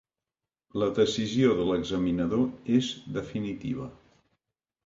La decisió de l'examinador és definitiva.